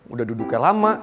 udah duduknya lama